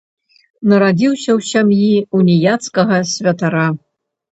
Нарадзіўся ў сям'і ўніяцкага святара.